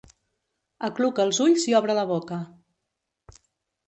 Acluca els ulls i obre la boca.